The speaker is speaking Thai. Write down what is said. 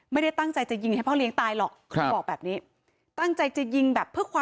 แต่ช่วงหลังไม่ได้ให้ช่วงหลังไม่ได้ให้หลายเดือนแล้วครับ